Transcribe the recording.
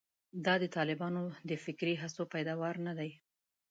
دا د طالبانو د فکري هڅو پیداوار نه دي.